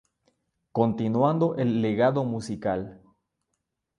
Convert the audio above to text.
Continuando el legado musical.